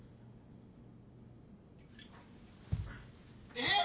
えっ！？